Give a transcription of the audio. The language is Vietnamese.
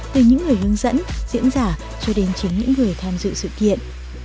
từ những người hướng dẫn diễn giả cho đến chính những người tham dự sự kiện